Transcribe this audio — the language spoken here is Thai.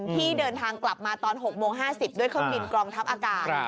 ที่เดินทางกลับมาตอน๖โมง๕๐ด้วยเครื่องบินกองทัพอากาศ